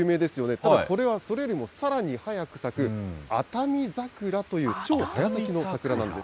ただこれは、それよりもさらに早く咲く、あたみ桜という超早咲きの桜なんです。